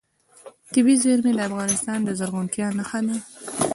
طبیعي زیرمې د افغانستان د زرغونتیا نښه ده.